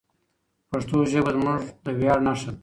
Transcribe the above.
پښتو ژبه زموږ د ویاړ نښه ده.